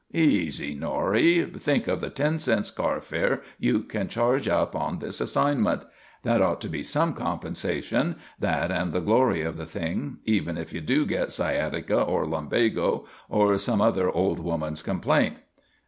"Easy, Norrie. Think of the ten cents' carfare you can charge up on this assignment. That ought to be some compensation, that and the glory of the thing, even if you do get sciatica or lumbago or some other old woman's complaint.